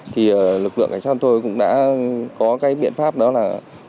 thì lực lượng cảnh sát thôi cũng đã có biện pháp đó là